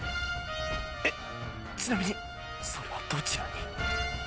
えっちなみにそれはどちらに？